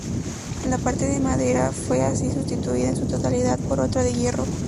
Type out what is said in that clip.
La parte de madera fue así sustituida en su totalidad por otra de hierro.